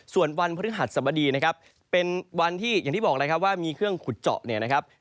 ส่วนวันพฤหัสสบดีนะครับเป็นวันที่อย่างที่บอกเลยครับว่ามีเครื่องขุดเจาะเนี่ยนะครับ